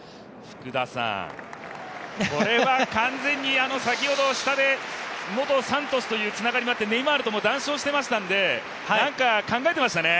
福田さん、これは完全に先ほど、下で元サントスというつながりもあってネイマールとも談笑してましたんで、何か考えてましたね。